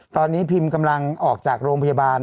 ตอนนี้พิมพ์กำลังออกจากโรงพยาบาล